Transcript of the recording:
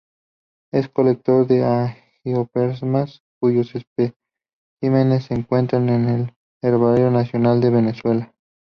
Es colector de Angiospermas, cuyos especímenes se encuentran en el Herbario Nacional de Venezuela.